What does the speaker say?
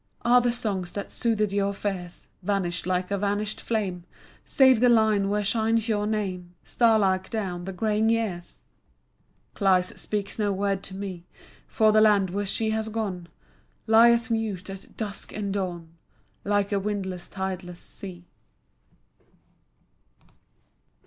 Are the songs that soothed your fears Vanished like a vanished flame, Save the line where shines your name Starlike down the graying years? Cleis speaks no word to me, For the land where she has gone Lieth mute at dusk and dawn Like a windless tideless sea.